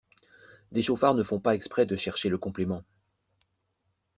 Des chauffards ne font pas exprès de chercher le complément!